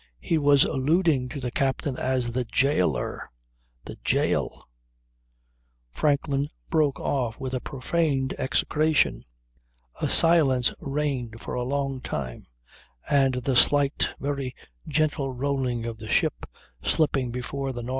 He was alluding to the captain as "the jailer." The jail ...!" Franklin broke off with a profane execration. A silence reigned for a long time and the slight, very gentle rolling of the ship slipping before the N.E.